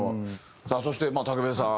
さあそして武部さん